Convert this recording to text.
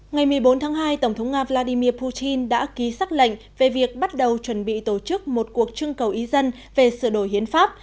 ngày một mươi bốn tháng hai tổng thống nga vladimir putin đã ký xác lệnh về việc bắt đầu chuẩn bị tổ chức một cuộc trưng cầu ý dân về sửa đổi hiến pháp